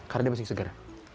karena dia masih segar